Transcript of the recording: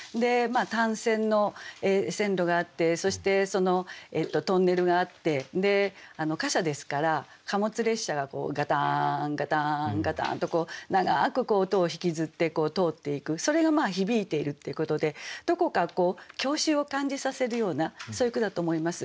単線の線路があってそしてトンネルがあって「貨車」ですから貨物列車がガターンガターンガターンと長く音を引きずって通っていくそれが響いているっていうことでどこか郷愁を感じさせるようなそういう句だと思います。